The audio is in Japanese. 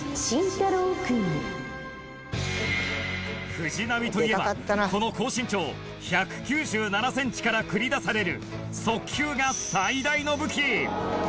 藤浪といえばこの高身長１９７センチから繰り出される速球が最大の武器。